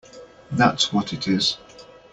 That’s what it is!